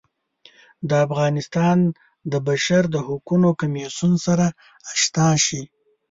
د افغانستان د بشر د حقونو کمیسیون سره اشنا شي.